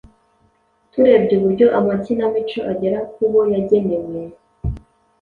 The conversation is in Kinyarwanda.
Turebye uburyo amakinamico agera ku bo yagenewe,